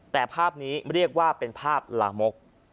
แต่ภาพนี้เรียกว่าเป็นภาพลามก